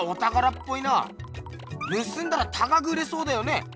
ぬすんだら高く売れそうだよね。